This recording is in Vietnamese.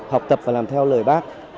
học tập và làm theo lời bác